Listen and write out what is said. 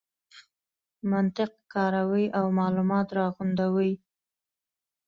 منطق کاروي او مالومات راغونډوي.